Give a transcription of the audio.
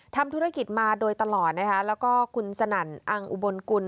ทำธุรกิจมาโดยตลอดนะคะแล้วก็คุณสนั่นอังอุบลกุล